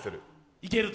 いけると？